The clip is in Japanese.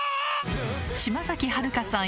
島崎遥香さん